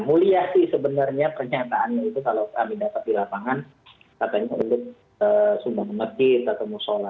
mulia sih sebenarnya pernyataannya itu kalau kami dapat di lapangan katanya untuk sumbang masjid atau musola